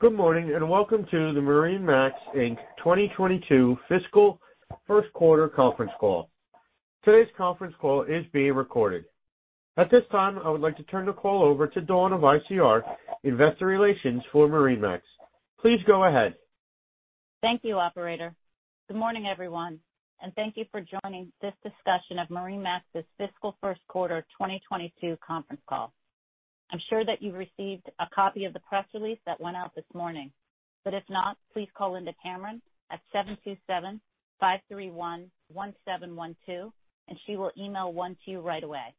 Good morning, and welcome to the MarineMax Inc. 2022 fiscal Q1 conference call. Today's conference call is being recorded. At this time, I would like to turn the call over to Dawn of ICR, investor relations for MarineMax. Please go ahead. Thank you, operator. Good morning, everyone, and thank you for joining this discussion of MarineMax's fiscal Q1 2022 conference call. I'm sure that you've received a copy of the press release that went out this morning, but if not, please call Linda Cameron at 727-531-1712, and she will email one to you right away.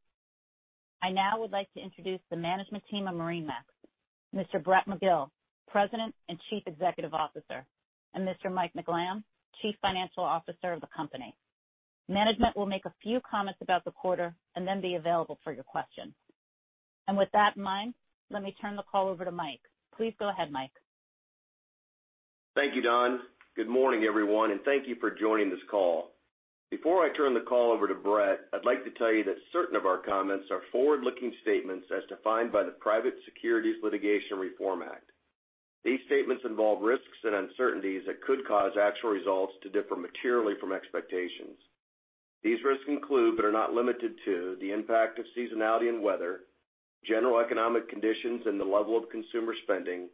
I now would like to introduce the management team of MarineMax, Mr. Brett McGill, President and Chief Executive Officer, and Mr. Mike McLamb, Chief Financial Officer of the company. Management will make a few comments about the quarter and then be available for your questions. With that in mind, let me turn the call over to Mike. Please go ahead, Mike. Thank you, Dawn. Good morning, everyone, and thank you for joining this call. Before I turn the call over to Brett, I'd like to tell you that certain of our comments are forward-looking statements as defined by the Private Securities Litigation Reform Act. These statements involve risks and uncertainties that could cause actual results to differ materially from expectations. These risks include, but are not limited to, the impact of seasonality and weather, general economic conditions and the level of consumer spending,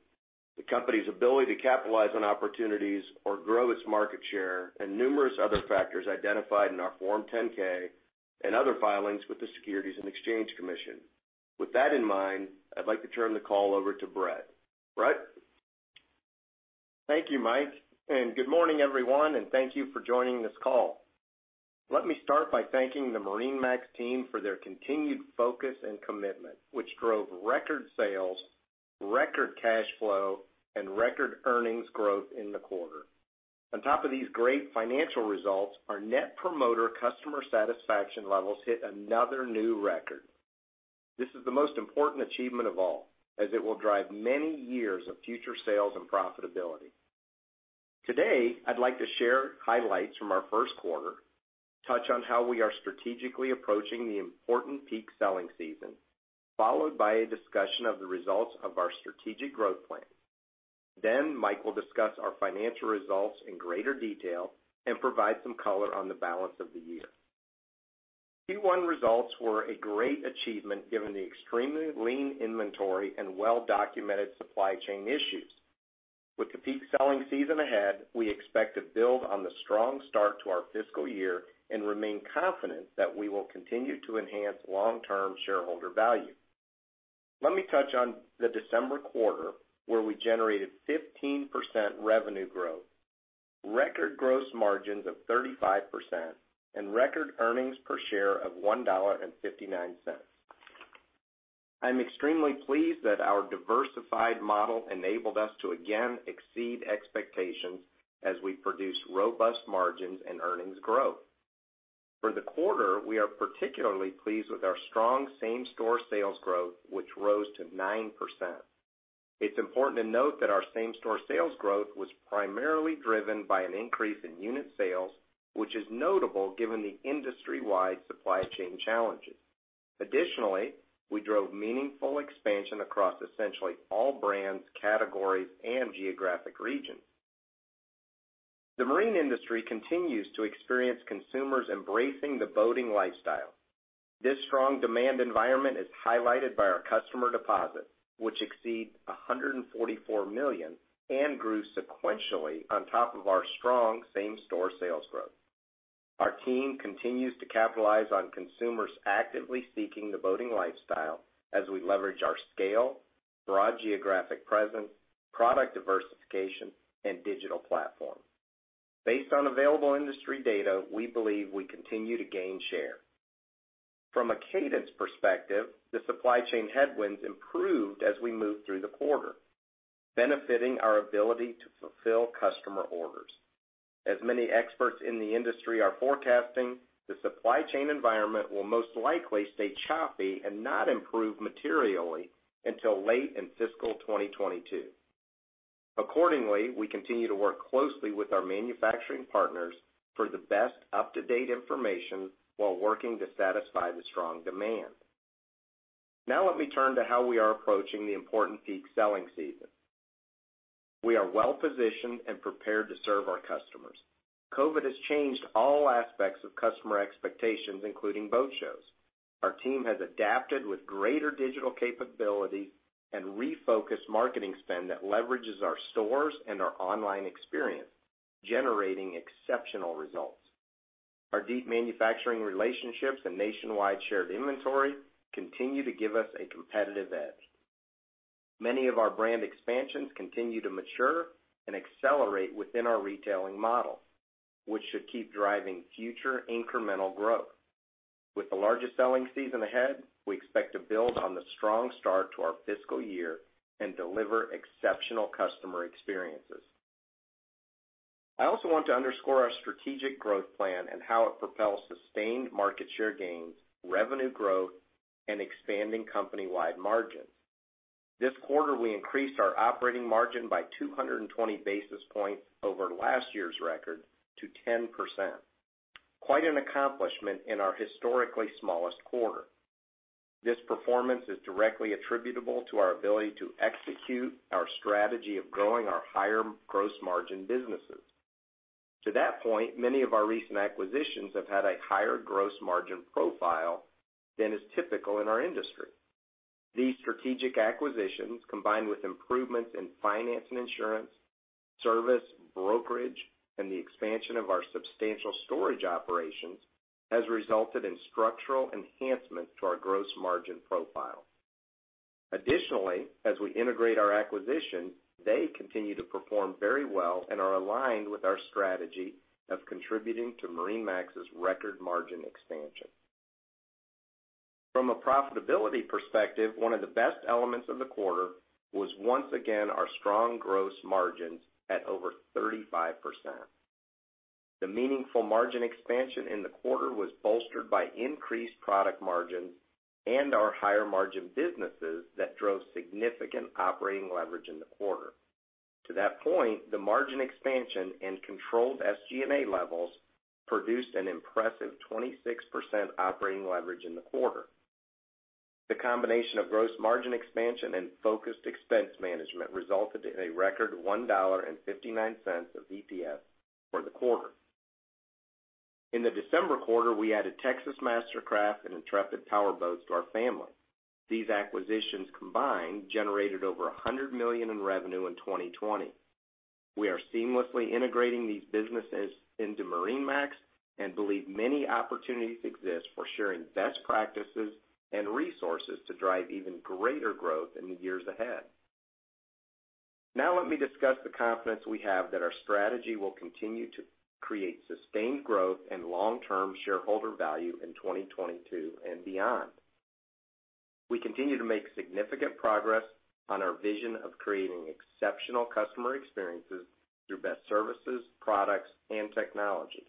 the company's ability to capitalize on opportunities or grow its market share, and numerous other factors identified in our Form 10-K and other filings with the Securities and Exchange Commission. With that in mind, I'd like to turn the call over to Brett. Brett. Thank you, Mike, and good morning, everyone, and thank you for joining this call. Let me start by thanking the MarineMax team for their continued focus and commitment, which drove record sales, record cash flow, and record earnings growth in the quarter. On top of these great financial results, our Net Promoter customer satisfaction levels hit another new record. This is the most important achievement of all, as it will drive many years of future sales and profitability. Today, I'd like to share highlights from our Q1, touch on how we are strategically approaching the important peak selling season, followed by a discussion of the results of our strategic growth plan. Then Mike will discuss our financial results in greater detail and provide some color on the balance of the year. Q1 results were a great achievement given the extremely lean inventory and well-documented supply chain issues. With the peak selling season ahead, we expect to build on the strong start to our fiscal year and remain confident that we will continue to enhance long-term shareholder value. Let me touch on the December quarter, where we generated 15% revenue growth, record gross margins of 35%, and record earnings per share of $1.59. I'm extremely pleased that our diversified model enabled us to again exceed expectations as we produced robust margins and earnings growth. For the quarter, we are particularly pleased with our strong same-store sales growth, which rose to 9%. It's important to note that our same-store sales growth was primarily driven by an increase in unit sales, which is notable given the industry-wide supply chain challenges. Additionally, we drove meaningful expansion across essentially all brands, categories, and geographic regions. The marine industry continues to experience consumers embracing the boating lifestyle. This strong demand environment is highlighted by our customer deposits, which exceed $144 million and grew sequentially on top of our strong same-store sales growth. Our team continues to capitalize on consumers actively seeking the boating lifestyle as we leverage our scale, broad geographic presence, product diversification, and digital platform. Based on available industry data, we believe we continue to gain share. From a cadence perspective, the supply chain headwinds improved as we moved through the quarter, benefiting our ability to fulfill customer orders. As many experts in the industry are forecasting, the supply chain environment will most likely stay choppy and not improve materially until late in fiscal 2022. Accordingly, we continue to work closely with our manufacturing partners for the best up-to-date information while working to satisfy the strong demand. Now let me turn to how we are approaching the important peak selling season. We are well-positioned and prepared to serve our customers. COVID has changed all aspects of customer expectations, including boat shows. Our team has adapted with greater digital capability and refocused marketing spend that leverages our stores and our online experience, generating exceptional results. Our deep manufacturing relationships and nationwide shared inventory continue to give us a competitive edge. Many of our brand expansions continue to mature and accelerate within our retailing model, which should keep driving future incremental growth. With the largest selling season ahead, we expect to build on the strong start to our fiscal year and deliver exceptional customer experiences. I also want to underscore our strategic growth plan and how it propels sustained market share gains, revenue growth, and expanding company-wide margins. This quarter, we increased our operating margin by 220 basis points over last year's record to 10%. Quite an accomplishment in our historically smallest quarter. This performance is directly attributable to our ability to execute our strategy of growing our higher gross margin businesses. To that point, many of our recent acquisitions have had a higher gross margin profile than is typical in our industry. These strategic acquisitions, combined with improvements in finance and insurance, service, brokerage, and the expansion of our substantial storage operations, has resulted in structural enhancements to our gross margin profile. Additionally, as we integrate our acquisition, they continue to perform very well and are aligned with our strategy of contributing to MarineMax's record margin expansion. From a profitability perspective, one of the best elements of the quarter was, once again, our strong gross margins at over 35%. The meaningful margin expansion in the quarter was bolstered by increased product margins and our higher margin businesses that drove significant operating leverage in the quarter. To that point, the margin expansion and controlled SG&A levels produced an impressive 26% operating leverage in the quarter. The combination of gross margin expansion and focused expense management resulted in a record $1.59 of EPS for the quarter. In the December quarter, we added Texas MasterCraft and Intrepid Powerboats to our family. These acquisitions combined generated over $100 million in revenue in 2020. We are seamlessly integrating these businesses into MarineMax and believe many opportunities exist for sharing best practices and resources to drive even greater growth in the years ahead. Now let me discuss the confidence we have that our strategy will continue to create sustained growth and long-term shareholder value in 2022 and beyond. We continue to make significant progress on our vision of creating exceptional customer experiences through best services, products, and technology.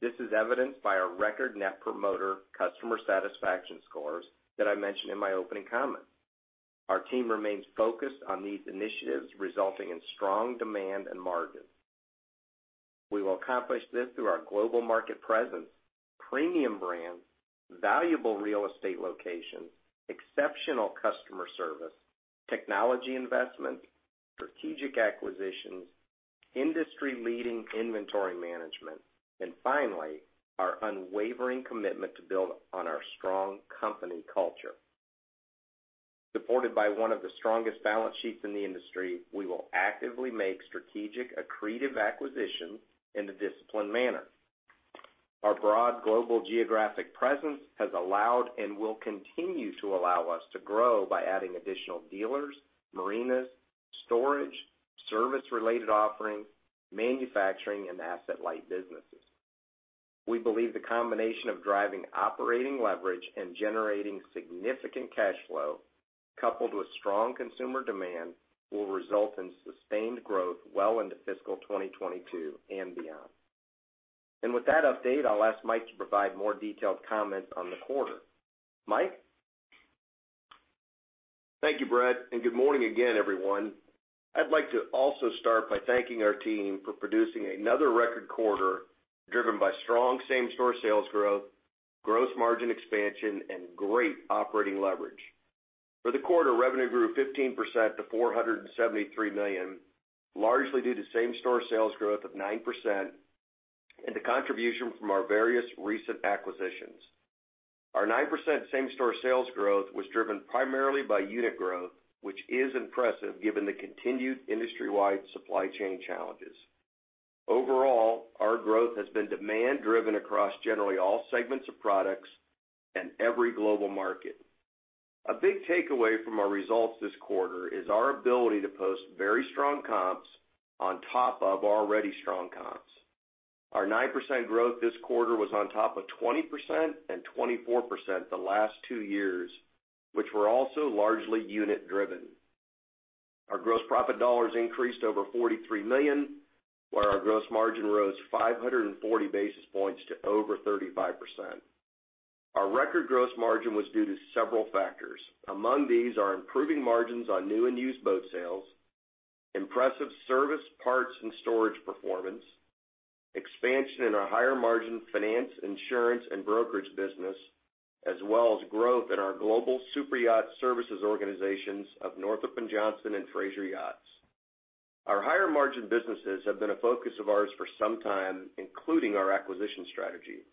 This is evidenced by our record Net Promoter customer satisfaction scores that I mentioned in my opening comments. Our team remains focused on these initiatives, resulting in strong demand and margins. We will accomplish this through our global market presence, premium brands, valuable real estate locations, exceptional customer service, technology investments, strategic acquisitions, industry-leading inventory management, and finally, our unwavering commitment to build on our strong company culture. Supported by one of the strongest balance sheets in the industry, we will actively make strategic accretive acquisitions in a disciplined manner. Our broad global geographic presence has allowed and will continue to allow us to grow by adding additional dealers, marinas, storage, service-related offerings, manufacturing, and asset-light businesses. We believe the combination of driving operating leverage and generating significant cash flow coupled with strong consumer demand will result in sustained growth well into fiscal 2022 and beyond. With that update, I'll ask Mike to provide more detailed comments on the quarter. Mike? Thank you, Brett, and good morning again, everyone. I'd like to also start by thanking our team for producing another record quarter driven by strong same-store sales growth, gross margin expansion, and great operating leverage. For the quarter, revenue grew 15% to $473 million, largely due to same-store sales growth of 9% and the contribution from our various recent acquisitions. Our 9% same-store sales growth was driven primarily by unit growth, which is impressive given the continued industry-wide supply chain challenges. Overall, our growth has been demand-driven across generally all segments of products and every global market. A big takeaway from our results this quarter is our ability to post very strong comps on top of already strong comps. Our 9% growth this quarter was on top of 20% and 24% the last two years, which were also largely unit-driven. Our gross profit dollars increased over $43 million, while our gross margin rose 540 basis points to over 35%. Our record gross margin was due to several factors. Among these are improving margins on new and used boat sales, impressive service, parts, and storage performance, expansion in our higher margin finance, insurance, and brokerage business, as well as growth in our global superyacht services organizations of Northrop & Johnson and Fraser Yachts. Our higher margin businesses have been a focus of ours for some time, including our acquisition strategy.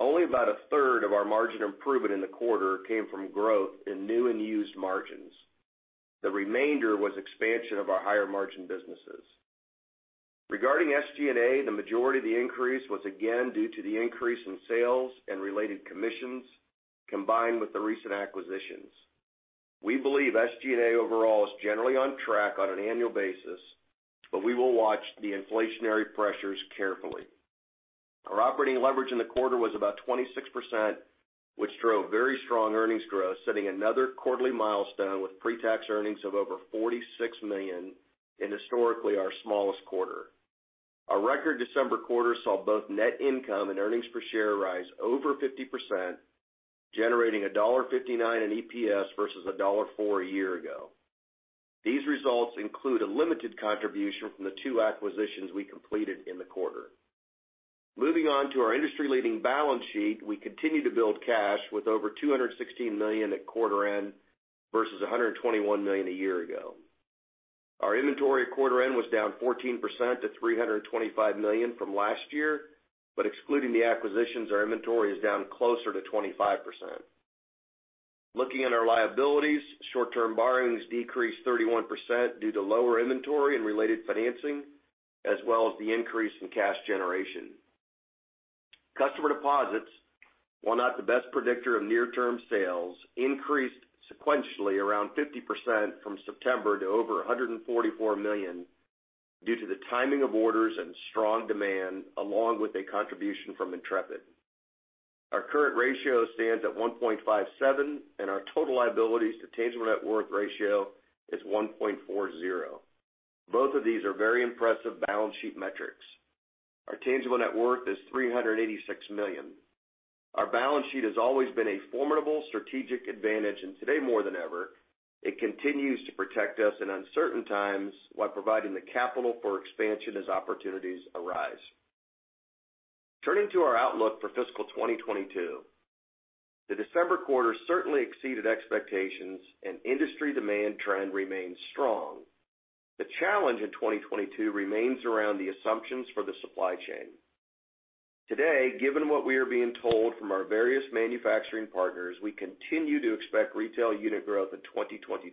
Only about a third of our margin improvement in the quarter came from growth in new and used margins. The remainder was expansion of our higher margin businesses. Regarding SG&A, the majority of the increase was again due to the increase in sales and related commissions combined with the recent acquisitions. We believe SG&A overall is generally on track on an annual basis, but we will watch the inflationary pressures carefully. Our operating leverage in the quarter was about 26%, which drove very strong earnings growth, setting another quarterly milestone with pre-tax earnings of over $46 million in historically our smallest quarter. Our record December quarter saw both net income and earnings per share rise over 50%, generating $1.59 in EPS versus $1.40 a year ago. These results include a limited contribution from the two acquisitions we completed in the quarter. Moving on to our industry-leading balance sheet. We continue to build cash with over $216 million at quarter end versus $121 million a year ago. Our inventory at quarter end was down 14% to $325 million from last year. Excluding the acquisitions, our inventory is down closer to 25%. Looking at our liabilities, short-term borrowings decreased 31% due to lower inventory and related financing, as well as the increase in cash generation. Customer deposits, while not the best predictor of near-term sales, increased sequentially around 50% from September to over $144 million due to the timing of orders and strong demand along with a contribution from Intrepid. Our current ratio stands at 1.57, and our total liabilities to tangible net worth ratio is 1.40. Both of these are very impressive balance sheet metrics. Our tangible net worth is $386 million. Our balance sheet has always been a formidable strategic advantage, and today more than ever, it continues to protect us in uncertain times while providing the capital for expansion as opportunities arise. Turning to our outlook for fiscal 2022. The December quarter certainly exceeded expectations and industry demand trend remains strong. The challenge in 2022 remains around the assumptions for the supply chain. Today, given what we are being told from our various manufacturing partners, we continue to expect retail unit growth in 2022.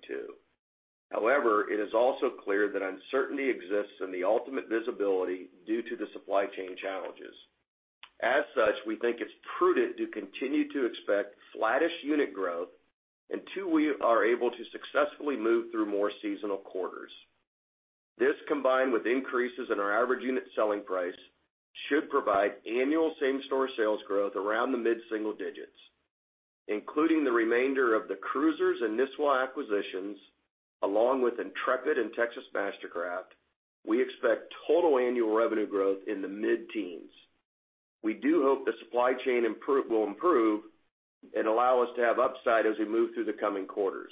However, it is also clear that uncertainty exists in the ultimate visibility due to the supply chain challenges. As such, we think it's prudent to continue to expect flattish unit growth until we are able to successfully move through more seasonal quarters. This, combined with increases in our average unit selling price, should provide annual same-store sales growth around the mid-single digits. Including the remainder of the Cruisers and Nisswa acquisitions, along with Intrepid and Texas MasterCraft, we expect total annual revenue growth in the mid-teens. We hope the supply chain will improve and allow us to have upside as we move through the coming quarters.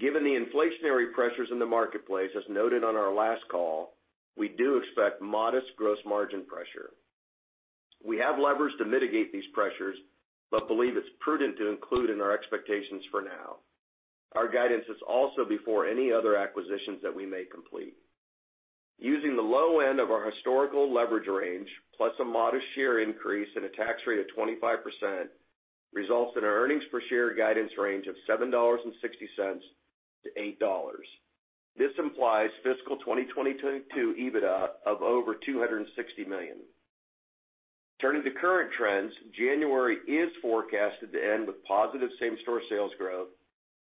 Given the inflationary pressures in the marketplace, as noted on our last call, we expect modest gross margin pressure. We have levers to mitigate these pressures, but believe it's prudent to include in our expectations for now. Our guidance is also before any other acquisitions that we may complete. Using the low end of our historical leverage range plus a modest share increase and a tax rate of 25% results in our earnings per share guidance range of $7.60-$8. This implies fiscal 2022 EBITDA of over $260 million. Turning to current trends, January is forecasted to end with positive same-store sales growth,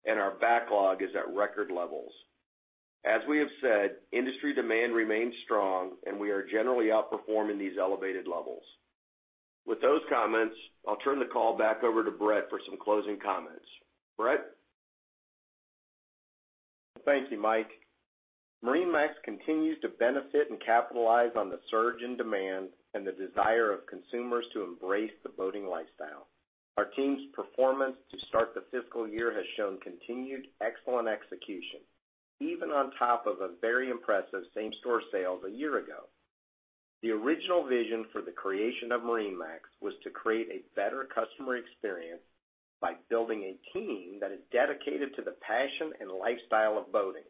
and our backlog is at record levels. As we have said, industry demand remains strong, and we are generally outperforming these elevated levels. With those comments, I'll turn the call back over to Brett for some closing comments. Brett? Thank you, Mike. MarineMax continues to benefit and capitalize on the surge in demand and the desire of consumers to embrace the boating lifestyle. Our team's performance to start the fiscal year has shown continued excellent execution, even on top of a very impressive same-store sales a year ago. The original vision for the creation of MarineMax was to create a better customer experience by building a team that is dedicated to the passion and lifestyle of boating.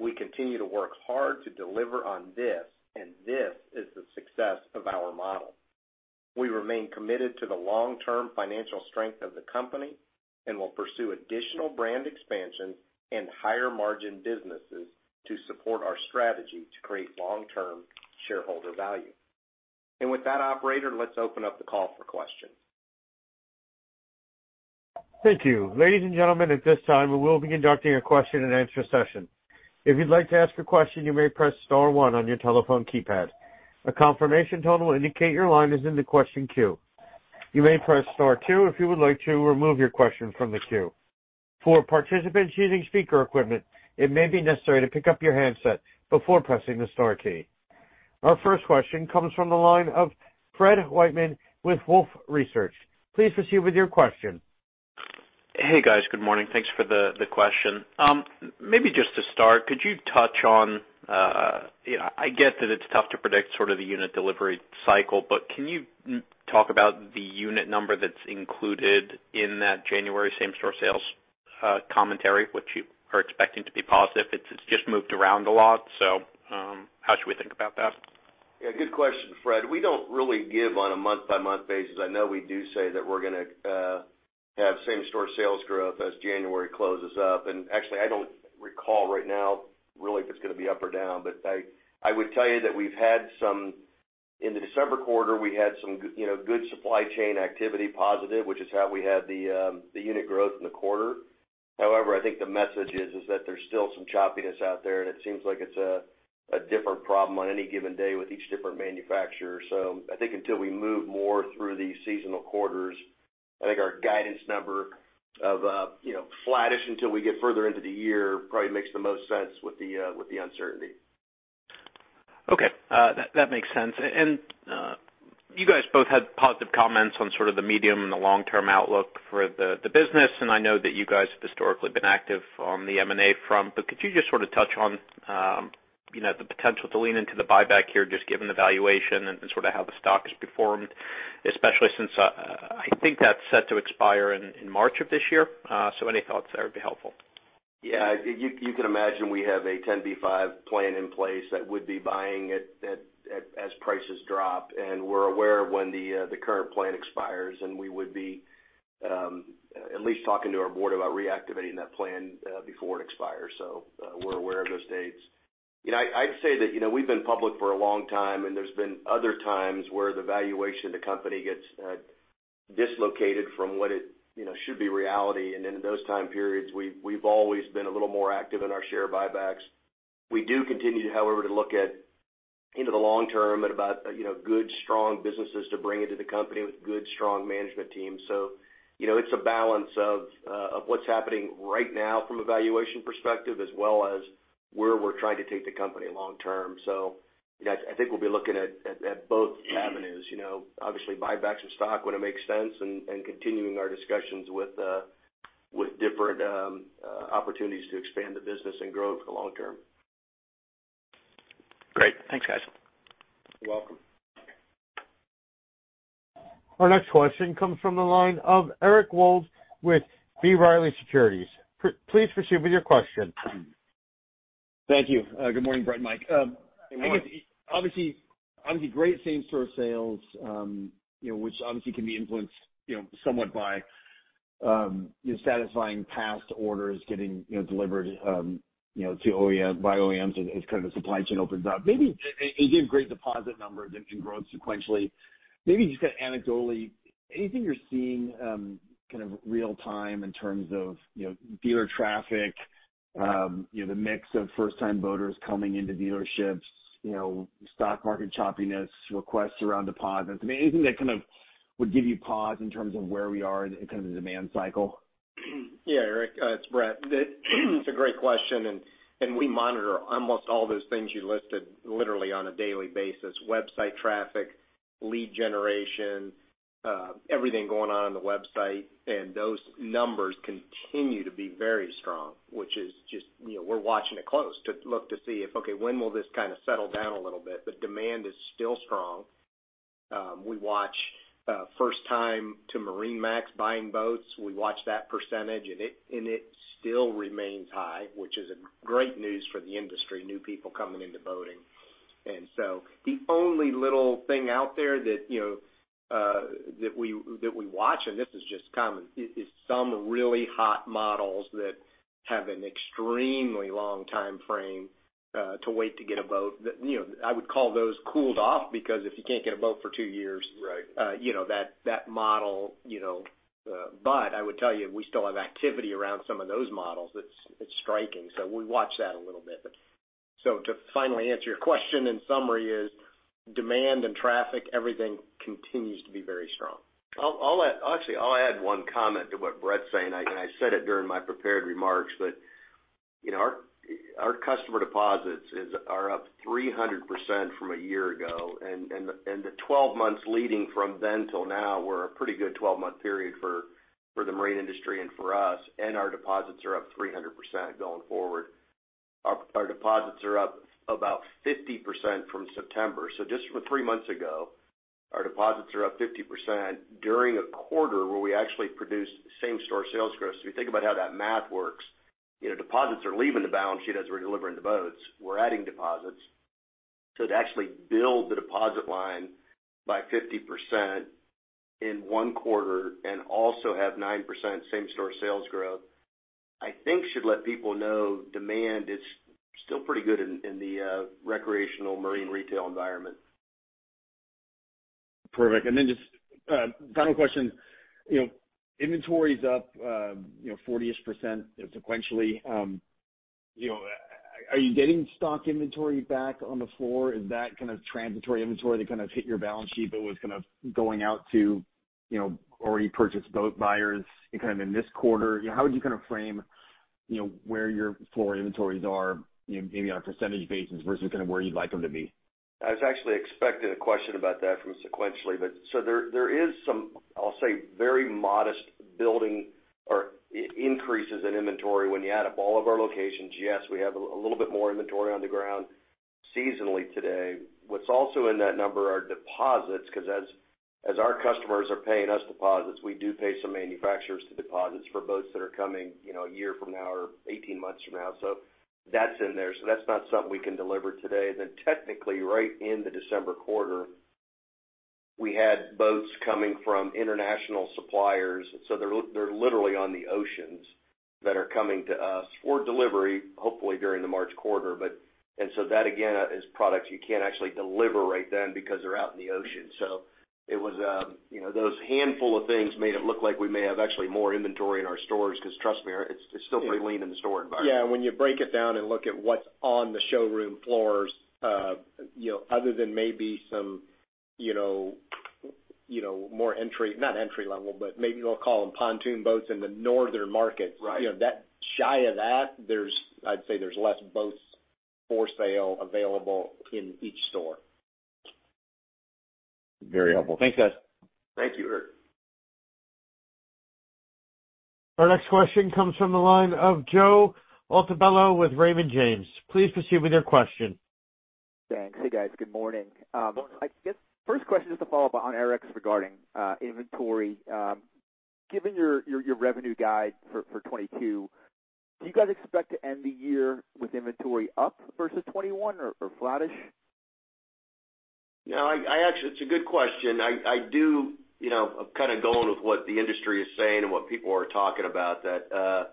We continue to work hard to deliver on this, and this is the success of our model. We remain committed to the long-term financial strength of the company and will pursue additional brand expansion and higher-margin businesses to support our strategy to create long-term shareholder value. With that, operator, let's open up the call for questions. Thank you. Ladies and gentlemen, at this time, we will be conducting a question-and-answer session. If you'd like to ask a question, you may press star one on your telephone keypad. A confirmation tone will indicate your line is in the question queue. You may press star two if you would like to remove your question from the queue. For participants using speaker equipment, it may be necessary to pick up your handset before pressing the star key. Our first question comes from the line of Fred Wightman with Wolfe Research. Please proceed with your question. Hey, guys. Good morning. Thanks for the question. Maybe just to start, could you touch on, you know, I get that it's tough to predict sort of the unit delivery cycle. Can you talk about the unit number that's included in that January same-store sales commentary, which you are expecting to be positive? It's just moved around a lot, so, how should we think about that? Yeah, good question, Fred. We don't really give on a month-by-month basis. I know we do say that we're gonna have same-store sales growth as January closes out. Actually, I don't recall right now really if it's gonna be up or down. I would tell you that in the December quarter, we had some you know, good supply chain activity positive, which is how we had the unit growth in the quarter. However, I think the message is that there's still some choppiness out there, and it seems like it's a different problem on any given day with each different manufacturer. I think until we move more through these seasonal quarters, I think our guidance number of flattish until we get further into the year probably makes the most sense with the uncertainty. Okay. That makes sense. You guys both had positive comments on sort of the medium and the long-term outlook for the business, and I know that you guys have historically been active on the M&A front. Could you just sort of touch on the potential to lean into the buyback here, just given the valuation and sort of how the stock has performed, especially since I think that's set to expire in March of this year. Any thoughts there would be helpful. Yeah. You can imagine we have a 10b5-1 plan in place that would be buying it at as prices drop, and we're aware of when the current plan expires, and we would be at least talking to our board about reactivating that plan before it expires. We're aware of those dates. You know, I'd say that, you know, we've been public for a long time, and there's been other times where the valuation of the company gets dislocated from what it, you know, should be reality. In those time periods, we've always been a little more active in our share buybacks. We do continue, however, to look into the long term about good, strong businesses to bring into the company with good, strong management teams. You know, it's a balance of what's happening right now from a valuation perspective, as well as where we're trying to take the company long term. I think we'll be looking at both avenues, you know, obviously buybacks of stock when it makes sense and continuing our discussions with different opportunities to expand the business and growth for the long term. Great. Thanks, guys. You're welcome. Our next question comes from the line of Eric Wold with B. Riley Securities. Please proceed with your question. Thank you. Good morning, Brett and Mike. Good morning. I guess, obviously great same-store sales, you know, which obviously can be influenced, you know, somewhat by, you know, satisfying past orders getting, you know, delivered, you know, to OEM, by OEMs as kind of the supply chain opens up. Maybe you gave great deposit numbers and growth sequentially. Maybe just kind of anecdotally, anything you're seeing, kind of real time in terms of, you know, dealer traffic, you know, the mix of first-time boaters coming into dealerships, you know, stock market choppiness, requests around deposits. I mean, anything that kind of would give you pause in terms of where we are in kind of the demand cycle? Yeah, Eric, it's Brett. That's a great question, and we monitor almost all those things you listed literally on a daily basis, website traffic, lead generation, everything going on the website. Those numbers continue to be very strong, which is just, you know, we're watching it closely to look to see if, okay, when will this kind of settle down a little bit. Demand is still strong. We watch first-time MarineMax buyers. We watch that percentage, and it still remains high, which is great news for the industry, new people coming into boating. The only little thing out there that, you know, that we watch, and this is just common, is some really hot models that have an extremely long timeframe to wait to get a boat. That, you know, I would call those cooled off because if you can't get a boat for two years. Right. You know, that model. I would tell you, we still have activity around some of those models. It's striking. We watch that a little bit. To finally answer your question in summary, demand and traffic, everything continues to be very strong. I'll add, actually, one comment to what Brett's saying, and I said it during my prepared remarks. You know, our customer deposits are up 300% from a year ago. And the twelve months leading from then till now were a pretty good twelve-month period for the marine industry and for us, and our deposits are up 300% going forward. Our deposits are up about 50% from September. Just from three months ago, our deposits are up 50% during a quarter where we actually produced same-store sales growth. If you think about how that math works, you know, deposits are leaving the balance sheet as we're delivering the boats. We're adding deposits. To actually build the deposit line by 50% in one quarter and also have 9% same-store sales growth, I think should let people know demand is still pretty good in the recreational marine retail environment. Perfect. Just a final question. You know, inventory's up, you know, 40-ish%, you know, sequentially. You know, are you getting stock inventory back on the floor? Is that kind of transitory inventory that kind of hit your balance sheet but was kind of going out to, you know, already purchased boat buyers kind of in this quarter? How would you kind of frame, you know, where your floor inventories are, you know, maybe on a percentage basis versus kind of where you'd like them to be? I was actually expecting a question about that from sequentially. There is some, I'll say, very modest building or increases in inventory when you add up all of our locations. Yes, we have a little bit more inventory on the ground seasonally today. What's also in that number are deposits, because as our customers are paying us deposits, we do pay some manufacturers the deposits for boats that are coming, you know, a year from now or 18 months from now. That's in there. That's not something we can deliver today. Technically, right in the December quarter, we had boats coming from international suppliers, so they're literally on the oceans that are coming to us for delivery, hopefully during the March quarter. That again is products you can't actually deliver right then because they're out in the ocean. It was those handful of things made it look like we may have actually more inventory in our stores because trust me, it's still pretty lean in the store environment. When you break it down and look at what's on the showroom floors, other than maybe some. You know, more entry, not entry level, but maybe we'll call them pontoon boats in the northern markets. Right. You know, shy of that, I'd say there's less boats for sale available in each store. Very helpful. Thanks, guys. Thank you, Eric. Our next question comes from the line of Joe Altobello with Raymond James. Please proceed with your question. Thanks. Hey, guys. Good morning. Morning. I guess first question is to follow up on Eric's regarding inventory. Given your revenue guide for 2022, do you guys expect to end the year with inventory up versus 2021 or flattish? You know, actually, it's a good question. You know, I'm kind of going with what the industry is saying and what people are talking about that,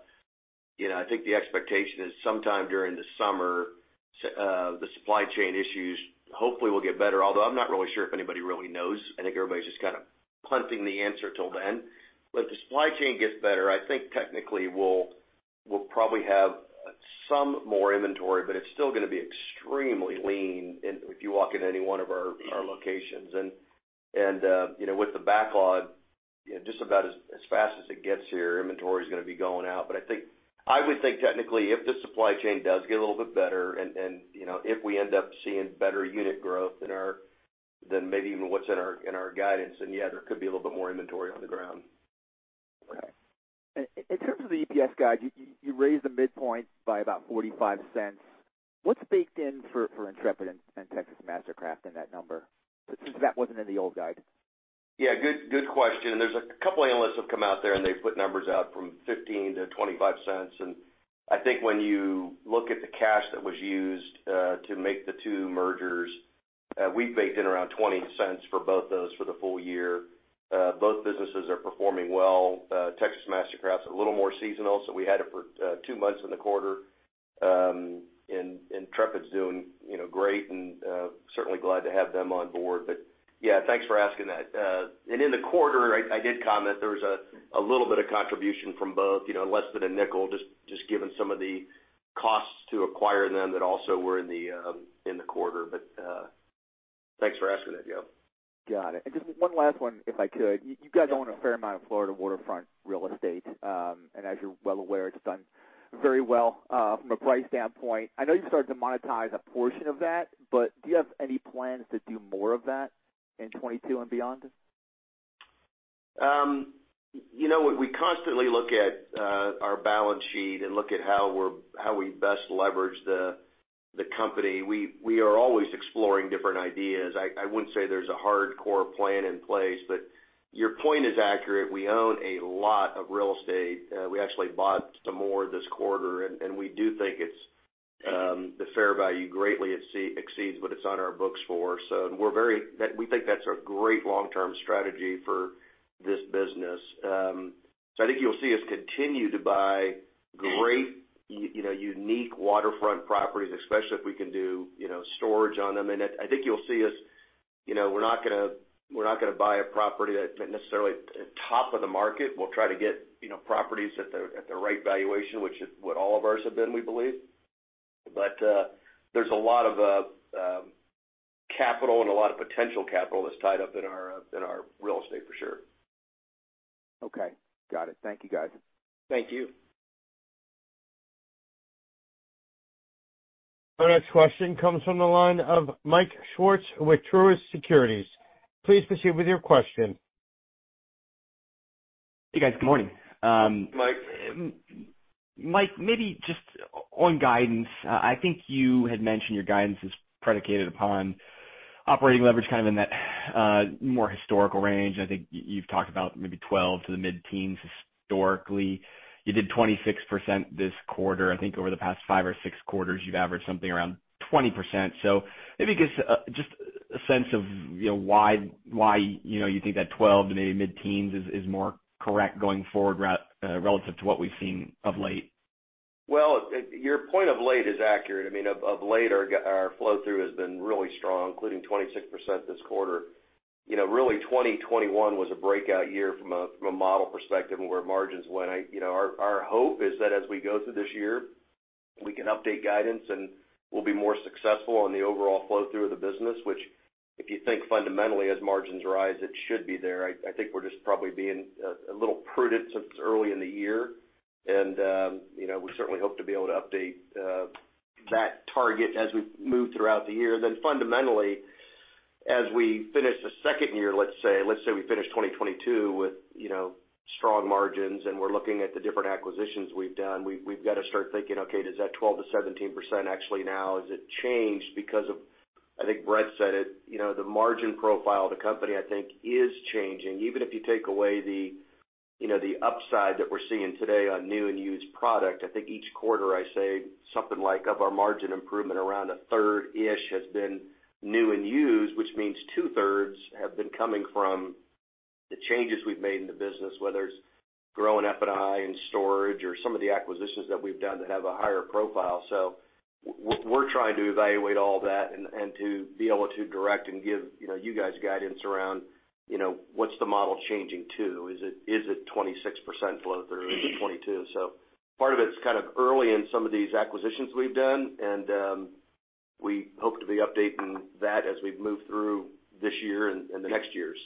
you know, I think the expectation is sometime during the summer, the supply chain issues hopefully will get better, although I'm not really sure if anybody really knows. I think everybody's just kind of clenching the answer till then. If the supply chain gets better, I think technically we'll probably have some more inventory, but it's still gonna be extremely lean if you walk into any one of our locations. You know, with the backlog, you know, just about as fast as it gets here, inventory is gonna be going out. I think I would think technically, if the supply chain does get a little bit better and, you know, if we end up seeing better unit growth than maybe even what's in our guidance, then yeah, there could be a little bit more inventory on the ground. Okay. In terms of the EPS guide, you raised the midpoint by about $0.45. What's baked in for Intrepid and Texas MasterCraft in that number since that wasn't in the old guide? Yeah, good question. There's a couple analysts have come out there, and they've put numbers out from $0.15-$0.25. I think when you look at the cash that was used to make the two mergers, we've baked in around $0.20 for both those for the full year. Both businesses are performing well. Texas MasterCraft's a little more seasonal, so we had it for two months in the quarter. Intrepid's doing, you know, great and certainly glad to have them on board. Yeah, thanks for asking that. In the quarter, I did comment there was a little bit of contribution from both, you know, less than a nickel, just given some of the costs to acquire them that also were in the quarter. Thanks for asking that, Joe. Got it. Just one last one, if I could. You guys own a fair amount of Florida waterfront real estate. As you're well aware, it's done very well from a price standpoint. I know you've started to monetize a portion of that, but do you have any plans to do more of that in 2022 and beyond? You know, we constantly look at our balance sheet and look at how we best leverage the company. We are always exploring different ideas. I wouldn't say there's a hardcore plan in place, but your point is accurate. We own a lot of real estate. We actually bought some more this quarter, and we do think its fair value greatly exceeds what it's on our books for. We think that's a great long-term strategy for this business. I think you'll see us continue to buy great, you know, unique waterfront properties, especially if we can do, you know, storage on them. I think you'll see us, you know, we're not gonna buy a property that necessarily at the top of the market. We'll try to get, you know, properties at the right valuation, which is what all of ours have been, we believe. There's a lot of capital and a lot of potential capital that's tied up in our real estate for sure. Okay. Got it. Thank you, guys. Thank you. Our next question comes from the line of Mike Swartz with Truist Securities. Please proceed with your question. Hey, guys. Good morning. Mike. Mike, maybe just on guidance. I think you had mentioned your guidance is predicated upon operating leverage kind of in that, more historical range. I think you've talked about maybe 12 to the mid-teens historically. You did 26% this quarter. I think over the past five or six quarters, you've averaged something around 20%. Maybe give us just a sense of, you know, why, you know, you think that 12 to maybe mid-teens is more correct going forward relative to what we've seen of late. Well, your point of late is accurate. I mean, of late, our flow through has been really strong, including 26% this quarter. You know, really 2021 was a breakout year from a model perspective and where margins went. You know, our hope is that as we go through this year, we can update guidance, and we'll be more successful on the overall flow through of the business, which, if you think fundamentally as margins rise, it should be there. I think we're just probably being a little prudent since it's early in the year. You know, we certainly hope to be able to update that target as we move throughout the year. Fundamentally, as we finish the second year, let's say we finish 2022 with, you know, strong margins and we're looking at the different acquisitions we've done, we've got to start thinking, okay, does that 12%-17% actually now has it changed because of I think Brett said it, you know, the margin profile of the company, I think, is changing. Even if you take away the, you know, the upside that we're seeing today on new and used product, I think each quarter I say something like of our margin improvement, around a third-ish has been new and used, which means 2/3 have been coming from the changes we've made in the business, whether it's growing F&I and storage or some of the acquisitions that we've done that have a higher profile. We're trying to evaluate all that and to be able to direct and give, you know, you guys guidance around, you know, what's the model changing to? Is it 26% flow through in 2022? Part of it's kind of early in some of these acquisitions we've done, and we hope to be updating that as we move through this year and the next years.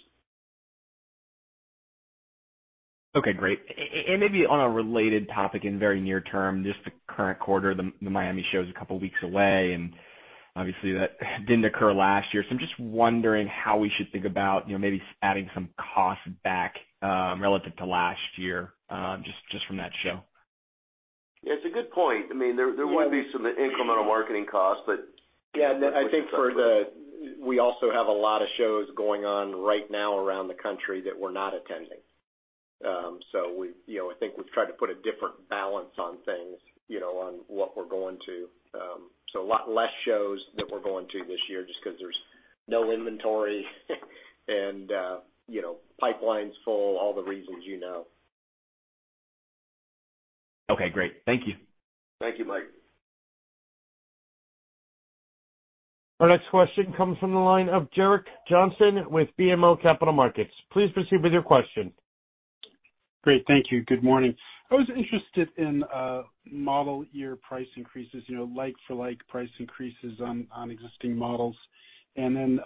Okay, great. Maybe on a related topic in very near term, just the current quarter, the Miami show is a couple weeks away, and obviously that didn't occur last year. I'm just wondering how we should think about, you know, maybe adding some costs back relative to last year, just from that show. It's a good point. I mean, there will be some incremental marketing costs. Yeah. I think we also have a lot of shows going on right now around the country that we're not attending. You know, I think we've tried to put a different balance on things, you know, on what we're going to. A lot less shows that we're going to this year just 'cause there's no inventory, and you know, pipeline's full, all the reasons you know. Okay, great. Thank you. Thank you, Mike. Our next question comes from the line of Gerrick Johnson with BMO Capital Markets. Please proceed with your question. Great, thank you. Good morning. I was interested in model year price increases, you know, like for like price increases on existing models. Then,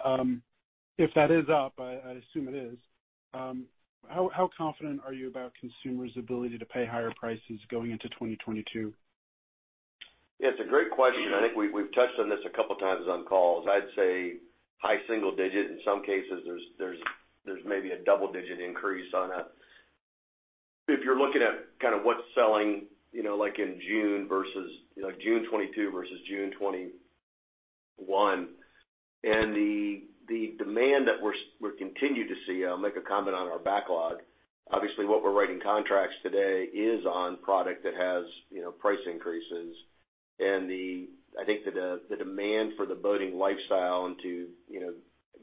if that is up, I assume it is, how confident are you about consumers' ability to pay higher prices going into 2022? It's a great question. I think we've touched on this a couple times on calls. I'd say high single-digit. In some cases, there's maybe a double-digit increase. If you're looking at kind of what's selling, you know, like in June versus, like June 2022 versus June 2021, and the demand that we continue to see, I'll make a comment on our backlog. Obviously, what we're writing contracts today is on product that has, you know, price increases. I think the demand for the boating lifestyle and to, you know,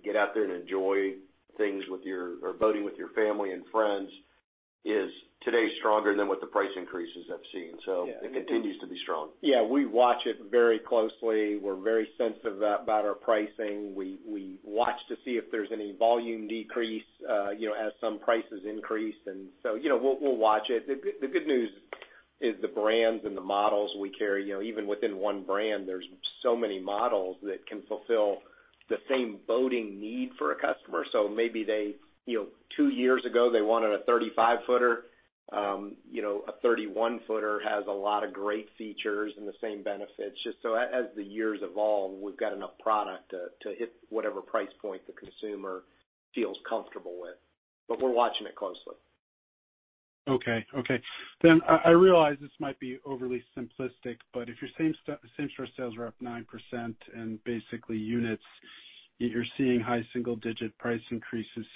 get out there and enjoy things with your, or boating with your family and friends is today stronger than what the price increases have been. It continues to be strong. Yeah, we watch it very closely. We're very sensitive about our pricing. We watch to see if there's any volume decrease, you know, as some prices increase. You know, we'll watch it. The good news is the brands and the models we carry, you know, even within one brand, there's so many models that can fulfill the same boating need for a customer. Maybe they, you know, two years ago, they wanted a 35 footer. You know, a 31 footer has a lot of great features and the same benefits. Just as the years evolve, we've got enough product to hit whatever price point the consumer feels comfortable with, but we're watching it closely. Okay, I realize this might be overly simplistic, but if your same-store sales are up 9% and basically units, you're seeing high-single-digit price increases.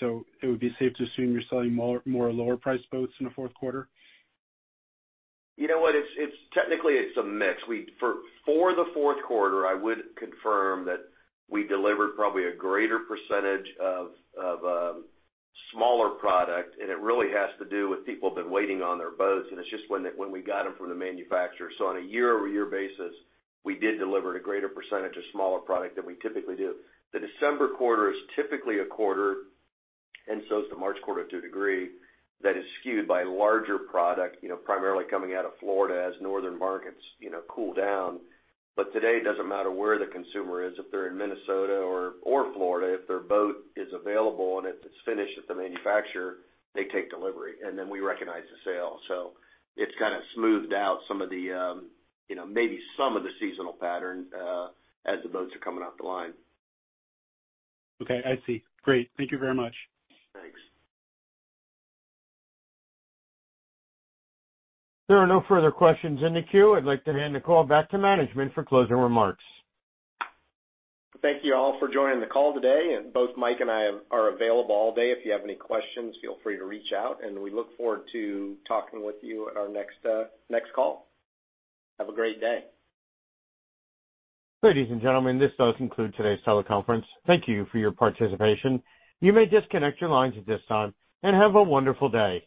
It would be safe to assume you're selling more lower-priced boats in the Q4? You know what? It's technically a mix. For the Q4, I would confirm that we delivered probably a greater percentage of smaller product, and it really has to do with people have been waiting on their boats, and it's just when we got them from the manufacturer. On a year-over-year basis, we did deliver a greater percentage of smaller product than we typically do. The December quarter is typically a quarter, and so is the March quarter to a degree, that is skewed by larger product, you know, primarily coming out of Florida as northern markets, you know, cool down. Today, it doesn't matter where the consumer is. If they're in Minnesota or Florida, if their boat is available and it's finished at the manufacturer, they take delivery, and then we recognize the sale. It's kind of smoothed out some of the, you know, maybe some of the seasonal pattern, as the boats are coming off the line. Okay, I see. Great. Thank you very much. Thanks. There are no further questions in the queue. I'd like to hand the call back to management for closing remarks. Thank you all for joining the call today. Both Mike and I are available all day. If you have any questions, feel free to reach out, and we look forward to talking with you at our next call. Have a great day. Ladies and gentlemen, this does conclude today's teleconference. Thank you for your participation. You may disconnect your lines at this time, and have a wonderful day.